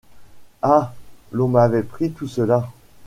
Ah ! l’on m’avait pris tout cela !